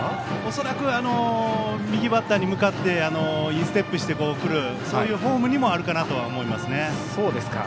恐らく右バッターに向かってインステップしてくるようなそういうフォームにもあると思います。